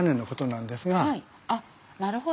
はいあっなるほど！